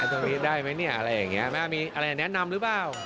ตรงนี้ได้ไหมแบบนี้แม่แน่นำหรือเปล่า